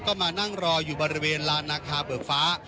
ก็มานั่งรออยู่บริเวณลานนาคาเบิกฟ้า